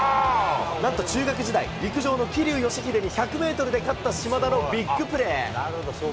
なんと、中学時代、陸上の桐生祥秀に１００メートルで勝った島田のビッグプレー。